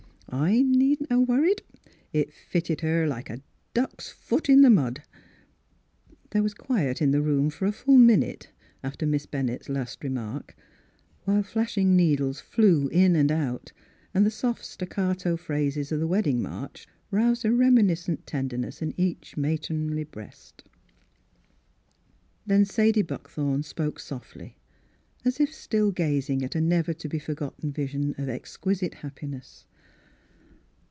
I needn't 'a' worried. It fit ted her like a duck's foot in the mud !" There was quiet in the room for a fuli minute after Miss Bennett's last remark, while flashing needles flew in and out, and the soft staccato phrases of the wedding march roused a reminiscent tenderness in each matronly breast. Miss Fhilura's Wedding Gown Then Sadie Buckthorn spoke softly, as if still gazing at a never to be forgotten vision of exquisite happiness.